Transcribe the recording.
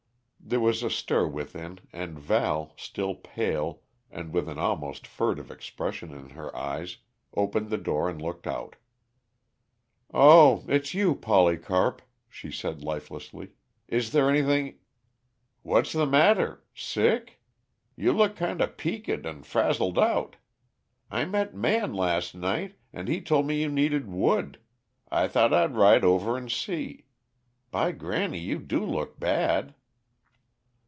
There was a stir within, and Val, still pale, and with an almost furtive expression in her eyes, opened the door and looked out. "Oh, it's you, Polycarp," she said lifelessly. "Is there anything " "What's the matter? Sick? You look kinda peaked and frazzled out. I met Man las' night, and he told me you needed wood; I thought I'd ride over and see. By granny, you do look bad."